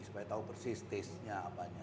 supaya tahu persis tastenya apanya